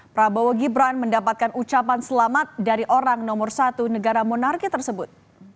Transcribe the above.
prabowo gibran mendapatkan ucapan selamat dari orang nomor satu negara monarki tersebut